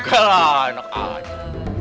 engga enak aja